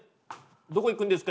どこ行くんですか？